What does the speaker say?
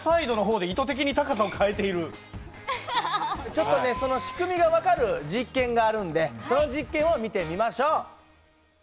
ちょっとねその仕組みが分かる実験があるんでその実験を見てみましょう。